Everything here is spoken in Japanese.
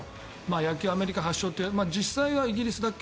野球、アメリカ発祥で実際はイギリスだっけ。